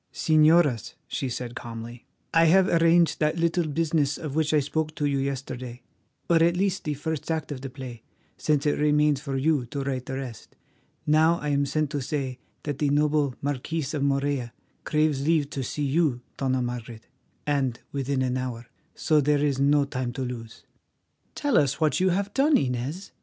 "Señoras," she said calmly, "I have arranged that little business of which I spoke to you yesterday, or at least the first act of the play, since it remains for you to write the rest. Now I am sent to say that the noble Marquis of Morella craves leave to see you, Dona Margaret, and within an hour. So there is no time to lose." "Tell us what you have done, Inez?"